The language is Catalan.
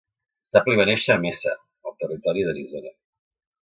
Stapley va néixer a Mesa, al territori d'Arizona.